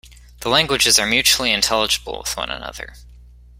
The languages are mutually intelligible with one another.